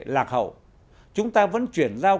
lạc hậu chúng ta vẫn chuyển giao